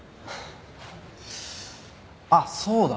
あっそうだ。